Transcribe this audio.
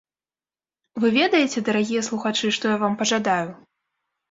Вы ведаеце, дарагія слухачы, што я вам пажадаю?